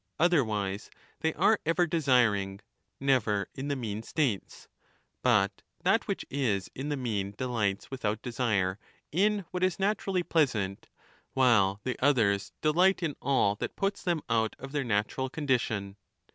Otherwise they are ever desiring, never in the mean states ; but that which is in the mean delights without desire in what is naturally pleasant, while the others delight in all that puts them out of their natural condition.